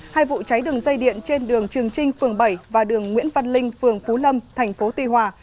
hai vụ cháy đường dây điện trên đường trường trinh phường bảy và đường nguyễn văn linh phường phú lâm thành phố tuy hòa